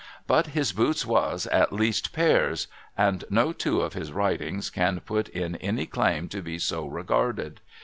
But his boots was at least pairs, —■ and no two of his writings can put in any claim to be so regarded.